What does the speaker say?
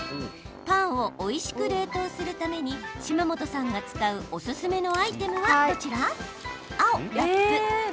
パンをおいしく冷凍するために島本さんが使うおすすめのアイテムはどちら？